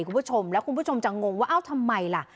คุณผู้ชมแล้วคุณผู้ชมจะงงว่าเอ้าทำไมล่ะ